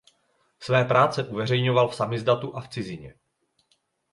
Své práce uveřejňoval v samizdatu a v cizině.